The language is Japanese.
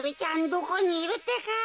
どこにいるってか。